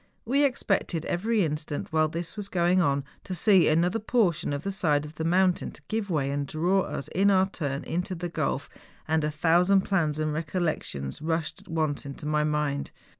We expected every instant while this was going on to see another portion of the side of the mountain give way and draw us, in our turn, into the gulf, and a tliousand plans and recollections rushed at once into my mind.